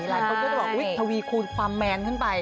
หลายคนก็จะบอกอุ๊ยทวีคูณความแมนขึ้นไป